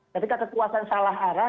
ketika kekuasaan salah arah